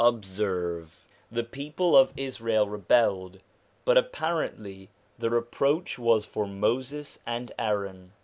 Observe : the people of Israel rebelled, but apparently the reproach was for Moses and Aaron.